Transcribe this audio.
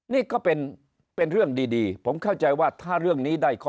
นี่ก็เป็นเรื่องดีผมเข้าใจว่าถ้าเรื่องนี้ได้ข้อ